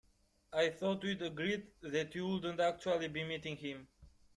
I thought we'd agreed that you wouldn't actually be meeting him?